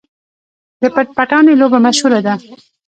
د پټ پټانې لوبه مشهوره ده.